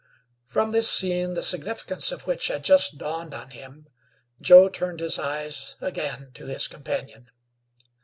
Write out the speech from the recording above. From this scene, the significance of which had just dawned on him, Joe turned his eyes again to his companion.